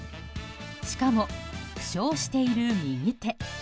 しかも、負傷している右手。